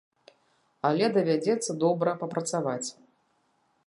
Але давядзецца добра папрацаваць.